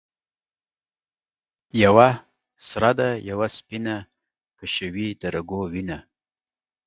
یوه سره ده یوه سپینه ـ کشوي د رګو وینه